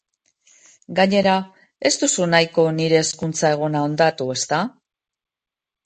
Gainera, ez duzu nahiko nire ezkontza eguna hondatu, ezta?